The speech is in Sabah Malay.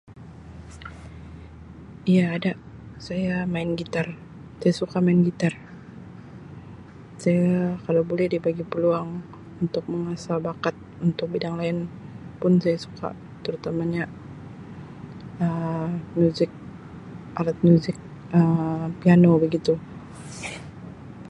Ya ada, saya main guitar. Saya suka main guitar. Saya kalau boleh dibagi peluang untuk mengasah bakat untuk bidang lain pun saya suka terutamanya Um muzik, alat muzik Um piano begitu.